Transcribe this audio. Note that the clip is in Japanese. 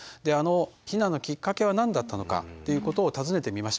避難のきっかけは何だったのかっていうことを尋ねてみました。